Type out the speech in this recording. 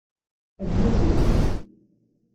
Ad d-yas Mhenni.